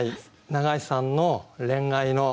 永井さん